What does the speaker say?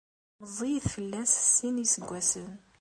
Meẓẓiyet fell-as s sin n yiseggasen.